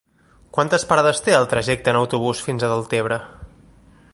Quantes parades té el trajecte en autobús fins a Deltebre?